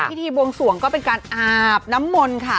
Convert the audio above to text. พิธีบวงสวงก็เป็นการอาบน้ำมนต์ค่ะ